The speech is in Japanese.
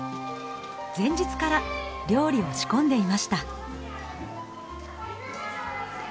前日から料理を仕込んでいました。